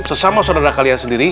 sesama saudara kalian sendiri